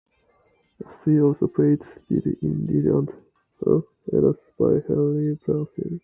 She also played Dido in "Dido and Aeneas" by Henry Purcell.